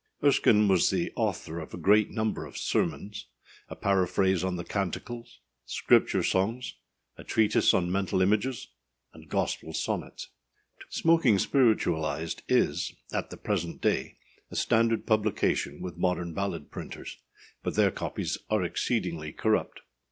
Erskine was the author of a great number of Sermons; a Paraphrase on the Canticles; Scripture Songs; a Treatise on Mental Images; and Gospel Sonnets. Smoking Spiritualized is, at the present day, a standard publication with modern ballad printers, but their copies are exceedingly corrupt.